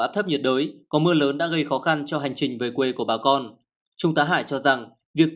theo clip hình ảnh được chia sẻ